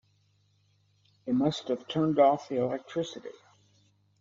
They must have turned off the electricity.